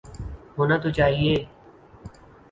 ہونا تو چاہیے۔